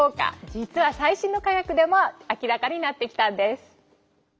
実は最新の科学でも明らかになってきたんです。